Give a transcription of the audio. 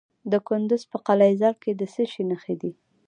د کندز په قلعه ذال کې د څه شي نښې دي؟